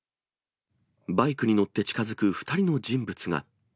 バイクに乗って近づく２人の人物が。